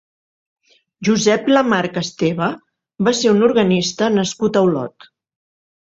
Josep Lamarca Esteva va ser un organista nascut a Olot.